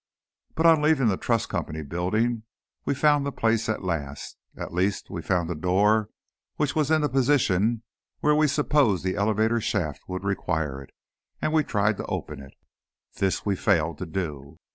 But on leaving the Trust Company Building, we found the place at last. At least, we found a door which was in the position where we supposed the elevator shaft would require it, and we tried to open it. This we failed to do.